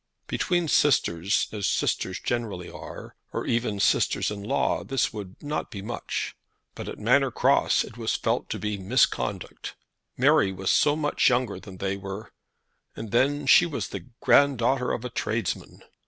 Between sisters as sisters generally are, or even sisters in laws, this would not be much; but at Manor Cross it was felt to be misconduct. Mary was so much younger than they were! And then she was the grand daughter of a tradesman!